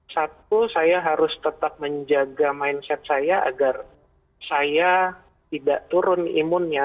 satu saya harus tetap menjaga mindset saya agar saya tidak turun imunnya